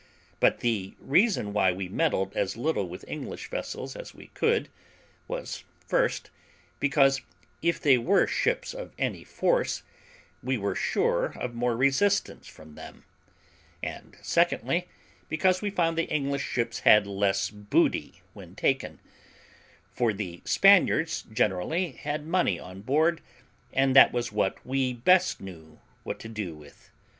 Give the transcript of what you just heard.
But the reason why we meddled as little with English vessels as we could, was, first, because, if they were ships of any force, we were sure of more resistance from them; and, secondly, because we found the English ships had less booty when taken, for the Spaniards generally had money on board, and that was what we best knew what to do with.